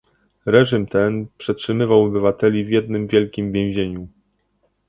Reżym ten przetrzymywał obywateli w jednym wielkim więzieniu